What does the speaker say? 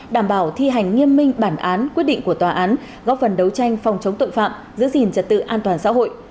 đảm bảo thi hành nghiêm minh bản án quyết định của tòa án góp phần đấu tranh phòng chống tội phạm giữ gìn trật tự an toàn xã hội